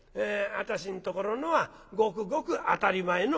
私んところのはごくごく当たり前の紋だ。